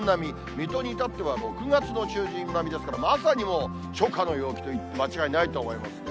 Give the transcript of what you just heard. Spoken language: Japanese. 水戸に至っては６月の中旬並みですから、まさにもう、初夏の陽気といって間違いないと思いますね。